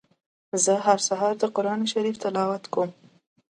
زه هر سهار د قرآن شريف تلاوت کوم.